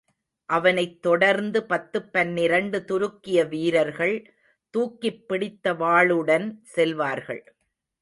அவனைத் தொடர்ந்து, பத்துப் பன்னிரெண்டு துருக்கிய வீரர்கள் தூக்கிப்பிடித்த வாளுடன் செல்வார்கள்.